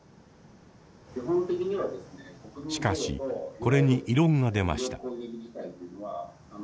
しかしこれに異論が出ました。